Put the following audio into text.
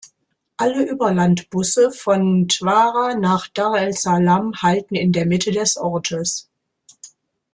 Alle Überlandbusse von Mtwara nach Dar es Salaam halten in der Mitte des Ortes.